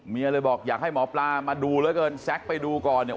เลยบอกอยากให้หมอปลามาดูเหลือเกินแซ็กไปดูก่อนเนี่ย